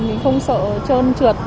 mình không sợ trơn trượt